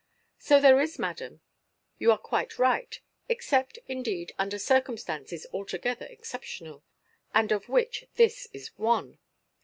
"So there is, madam; you are quite right—except, indeed, under circumstances altogether exceptional, and of which this is one.